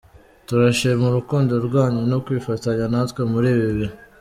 Turashima urukundo rwanyu no kwifatanya natwe muri ibi bihe.